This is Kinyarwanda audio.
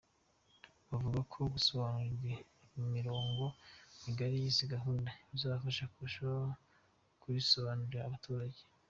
Bavuga ko gusobanukirwa imirongo migari y’izi gahunda bizabafasha kurushaho kurisobanurira abaturage.